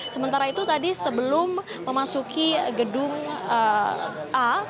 sementara itu tadi sebelum memasuki gedung a